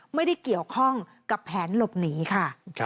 ไม่ได้เกี่ยวข้องกับแผนหลบหนีค่ะ